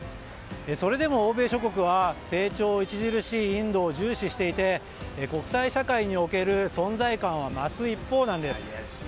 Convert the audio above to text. それでも欧米諸国は成長著しいインドを重視していて、国際社会における存在感は増す一方なんです。